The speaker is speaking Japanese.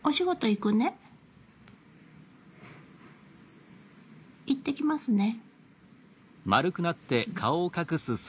行ってきますね。